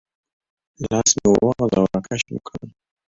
لاس مې ور وغځاوه، را کش مې کړل.